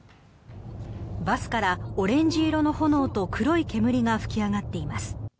バスからオレンジ色の炎と黒い煙が噴き上がっています。